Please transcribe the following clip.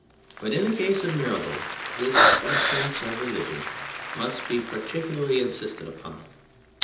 But in the case of Mirabeau this absence of religion must be particularly insisted upon.